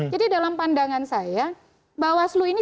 jadi dalam pandangan saya bawaslu ini